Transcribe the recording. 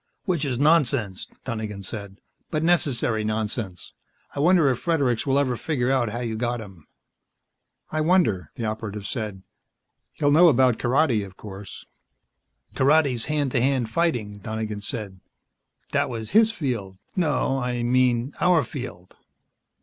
"Which is nonsense," Donegan said, "but necessary nonsense. I wonder if Fredericks will ever figure out how you got him." "I wonder," the Operative said. "He'll know about karate, of course." "Karate's hand to hand fighting." Donegan said. "That was his field. No, I mean our field.